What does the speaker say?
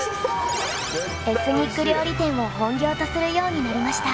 エスニック料理店を本業とするようになりました。